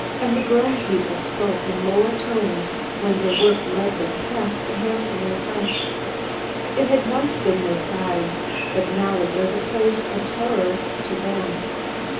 And the grown people spoke in lower tones when their work led them past the handsome old house. It had once been their pride, but now it was a place of horror to them.